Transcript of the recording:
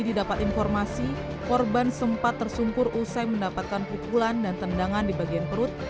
didapat informasi korban sempat tersungkur usai mendapatkan pukulan dan tendangan di bagian perut